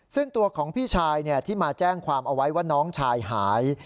ซึ่งตัวของพี่ชายที่มาแจ้งความเอาไว้ว่าน้องชายหาย